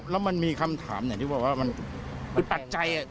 แล้วมันมีคำถามอย่างที่บอกว่าอึดตัดใจ